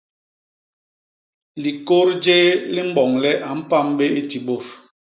Likôt jéé li mboñ le a pam bé i ti bôt.